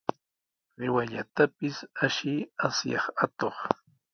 ¡Qiwallatapis ashiy, asyaq atuq!